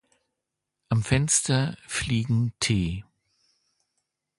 Am Fenster fliegen t